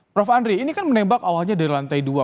prof andri ini kan menembak awalnya dari lantai dua